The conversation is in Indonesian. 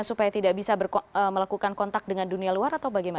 supaya tidak bisa melakukan kontak dengan dunia luar atau bagaimana